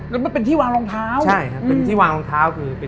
แล้วมันเป็นที่วางรองเท้าใช่ครับเป็นที่วางรองเท้าคือเป็น